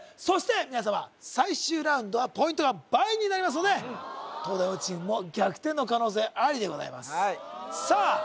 そして皆様最終ラウンドはポイントが倍になりますので東大王チームも逆転の可能性ありでございますさあ